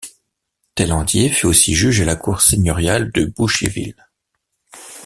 Tailhandier fut aussi juge à la cour seigneuriale de Boucherville.